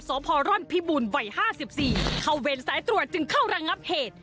สอบพอร่อนพิบุลวัยห้าสิบสี่เข้าเว้นสายตรวจจึงเข้ารังงับเหตุ